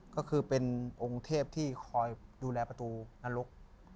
ก็คือเป็นองค์เทพที่คอยดูแลประตูนรก